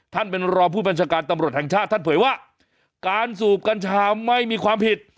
ท่านเป็นรองผู้บัญชาการตำรวจแห่งชาติท่านเผยว่าการสูบกัญชาไม่มีความผิด